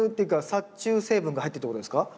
殺虫成分が入ってるってことですか？